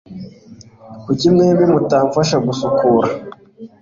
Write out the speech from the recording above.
Kuki mwembi mutamfasha gusukura?